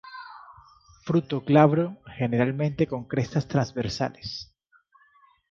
Fruto glabro, generalmente con crestas transversales.